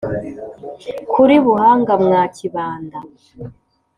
kuri buhanga mwa kibanda